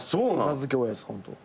名付け親ですホント。